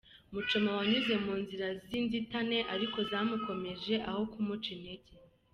Muchoma wanyuze mu nzira z'inzitane ariko zamukomeje aho kumuca intege.